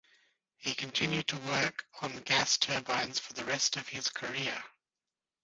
He continued to work on gas turbines for this rest of his career.